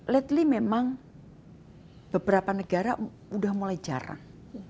lately memang beberapa negara sudah mulai jarang